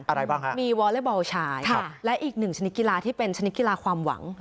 อะไรบ้างฮะมีวอเล็กบอลชายและอีกหนึ่งชนิดกีฬาที่เป็นชนิดกีฬาความหวัง